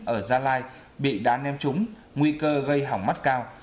ở gia lai bị đá ném trúng nguy cơ gây hỏng mắt cao